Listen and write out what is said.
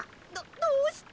どどうして。